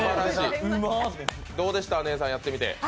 どうでした、ねえさん、やってみて？